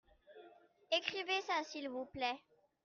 Écrivez-ça s'il vous plait.